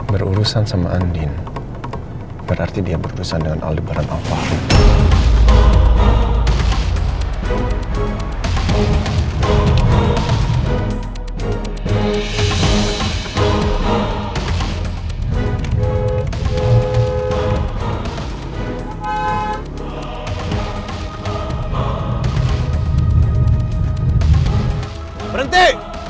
berurusan sama andien berarti dia berurusan dengan aldebaran alfarini